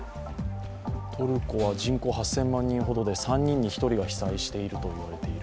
トルコは人口８０００万人ほどで３人に１人が被災したと言われている。